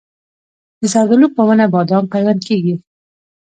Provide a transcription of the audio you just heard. د زردالو په ونه بادام پیوند کیږي؟